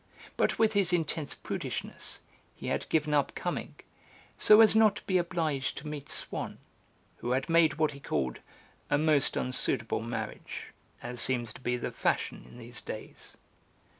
But with his intense prudishness he had given up coming, so as not to be obliged to meet Swann, who had made what he called "a most unsuitable marriage, as seems to be the fashion in these days."